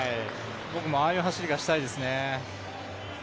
僕もああいう走りがしたいです。